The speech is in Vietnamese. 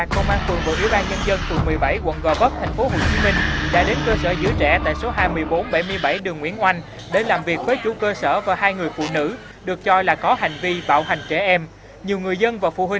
cơ sở giữ trẻ không phép tại quận gò vấp tp hcm bị tố cáo có hành vi bạo hành ngược đại trẻ